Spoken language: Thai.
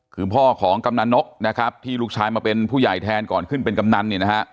คือพ่อของกำนันนกนะครับที่ลูกชายมาเป็นผู้ใหญ่แทนก่อนขึ้นเป็นกำนันเนี่ยนะฮะ